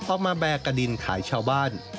ออกมาแบกะดินขายชาวบ้าน